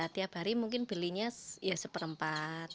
tiap hari mungkin belinya ya satu empat